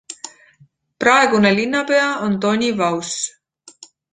Praegune linnapea on Tony Vauss.